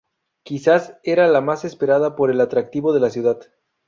Quizás era la más esperada por el atractivo de la ciudad.